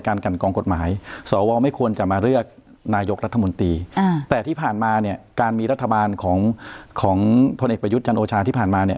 ของเพลิงเอกประยุทธ์จังโรชาที่ผ่านมา